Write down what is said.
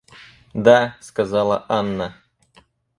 Да, — сказала Анна.